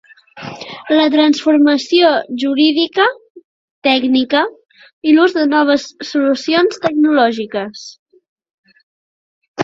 La transformació jurídica, tècnica i l'ús de noves solucions tecnològiques.